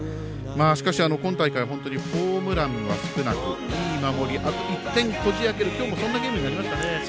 しかし、今大会は本当にホームランは少なくいい守り１点をこじ開ける、今日もそんなゲームになりましたね。